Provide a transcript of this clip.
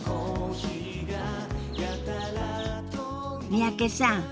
三宅さん。